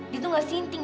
dia tuh gak sinting